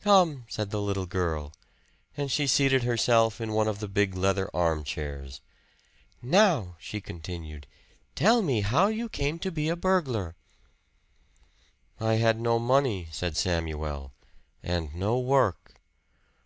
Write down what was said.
"Come," said the little girl; and she seated herself in one of the big leather armchairs. "Now," she continued, "tell me how you came to be a burglar." "I had no money," said Samuel, "and no work."